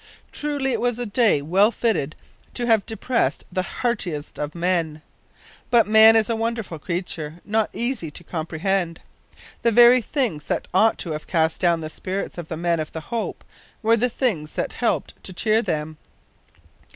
Truly it was a day well fitted to have depressed the heartiest of men. But man is a wonderful creature, not easy to comprehend! The very things that ought to have cast down the spirits of the men of the Hope were the things that helped to cheer them.